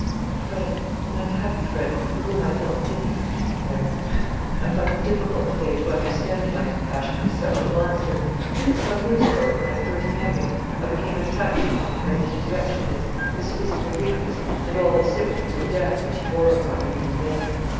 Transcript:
"A friend, an unhappy friend, for whom I felt pity," she declared. "I find it difficult to day to understand my compassion for such a monster. But, some years ago, when I first met him, I became attached to him because of his wretchedness, his physical weakness, and all the symptoms of death which he bore upon him even then.